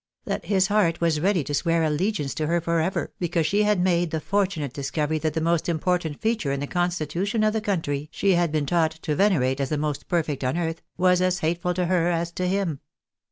That his heart was ready to swear allegiance to her for ever, because he had made the fortunate discovery that the most impor tant feature in the constitution of the country she had been taught to venerate as the most perfect upon earth, was as hateful to her as to him?